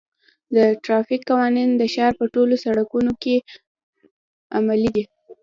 د ترافیک قوانین د ښار په ټولو سړکونو کې عملي دي.